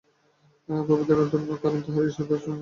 পবিত্রাত্মারাই ধন্য, কারণ তাঁহারাই ঈশ্বরকে দর্শন করিবেন।